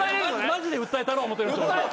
マジで訴えたろう思うてるんですよ。